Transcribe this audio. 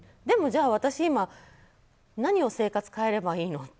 でもじゃあ私、今何を生活を変えればいいの？